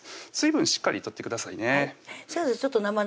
水分しっかり取ってくださいね先生